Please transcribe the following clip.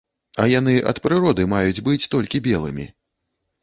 А яны ад прыроды маюць быць толькі белымі.